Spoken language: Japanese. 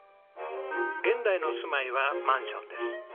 現代の住まいはマンションです。